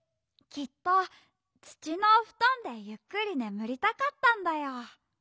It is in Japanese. きっとつちのおふとんでゆっくりねむりたかったんだよ。